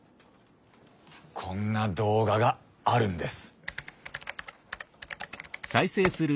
こんな動画があるんです。